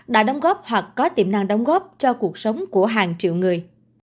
đã đóng góp hoặc có tiềm năng đóng góp cho cuộc sống của hàng triệu người